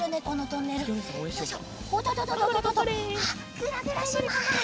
ぐらぐらします。